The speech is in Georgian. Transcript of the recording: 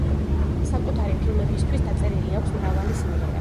საკუთარი ფილმებისათვის დაწერილი აქვს მრავალი სიმღერა.